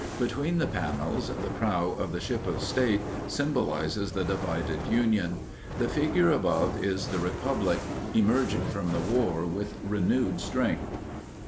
Between the panels, the prow of the Ship of State symbolizes the divided Union; the figure above is the Republic, emerging from the war with renewed strength.